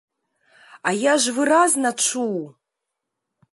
А я ж выразна чуў!